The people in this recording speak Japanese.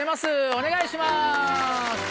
お願いします。